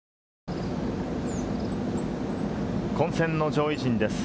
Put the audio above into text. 混戦の上位陣です。